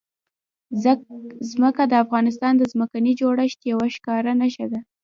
ځمکه د افغانستان د ځمکې د جوړښت یوه ښکاره نښه ده.